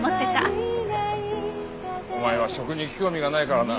ハハハお前は食に興味がないからな。